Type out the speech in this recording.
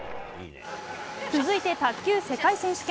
続いて卓球世界選手権。